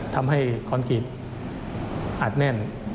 ทำให้คอนกรีตอัดแน่น